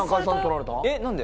何で？